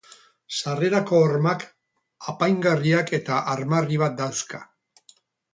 Sarrerako hormak apaingarriak eta armarri bat dauzka.